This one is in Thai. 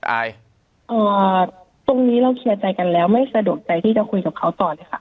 ตรงนี้เราเคลียร์ใจกันแล้วไม่สะดวกใจที่จะคุยกับเขาต่อเลยค่ะ